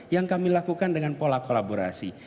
yang kami lakukan dengan pola kolaborasi